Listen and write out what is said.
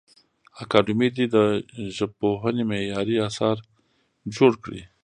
اکاډمي دي د ژبپوهنې معیاري اثار جوړ کړي.